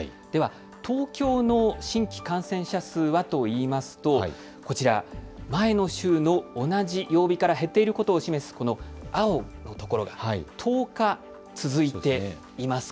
では、東京の新規感染者数はといいますとこちら前の週の同じ曜日から減っていることを示すこの青の